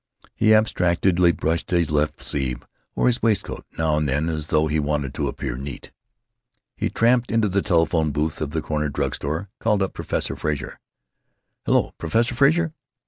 He abstractedly brushed his left sleeve or his waistcoat, now and then, as though he wanted to appear neat. He tramped into the telephone booth of the corner drug store, called up Professor Frazer: "Hello? Professor Frazer?...